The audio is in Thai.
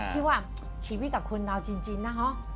คิดว่าชีวิตกับคนเราจริงนะคะ